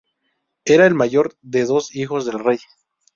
Era el mayor de dos hijos del Rev.